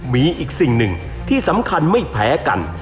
มีอีกสิ่งหนึ่งที่สำคัญไม่แพ้กัน